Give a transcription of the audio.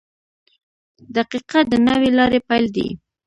• دقیقه د نوې لارې پیل دی.